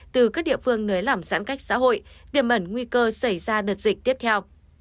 từ các địa phương nới lỏng giãn cách xã hội tiềm mẩn nguy cơ xảy ra đợt dịch tiếp theo